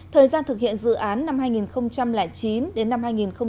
thời gian thực hiện dự án năm hai nghìn chín đến năm hai nghìn hai mươi hai